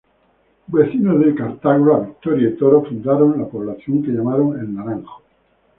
Vecinos de Cartago, La Victoria y Toro fundaron la población, que llamaron El Naranjo.